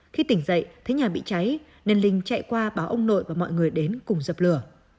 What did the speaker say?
khi tỉnh dậy thấy nhà bị cháy nên linh chạy qua báo ông nội và mọi người đến cùng dập lửa